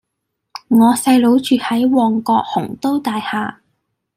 我細佬住喺旺角鴻都大廈